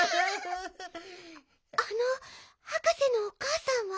あのはかせのおかあさんは？